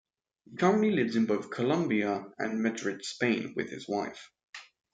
He currently lives in both Colombia and Madrid, Spain with his wife.